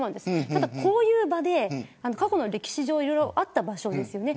ただ、こういう場で過去の歴史上いろいろあった場所ですよね。